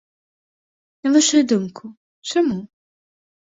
На вашую думку, чаму?